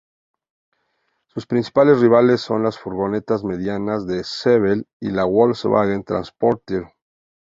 Sus principales rivales son las furgonetas medianas de Sevel y la Volkswagen Transporter.